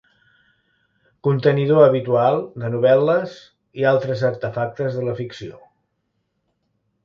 Contenidor habitual de novel·les i altres artefactes de la ficció.